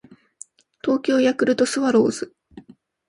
東京ヤクルトスワローズ